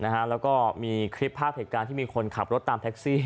แล้วก็มีคลิปภาพเหตุการณ์ที่มีคนขับรถตามแท็กซี่